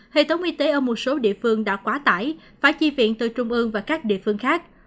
hệ thống y tế ở một số địa phương đã quá tải phải chi viện từ trung ương và các địa phương khác